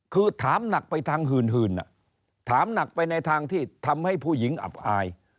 คือถามหนักไปทางหื่นถามหนักไปในทางที่ทำให้ผู้หญิงอับอาย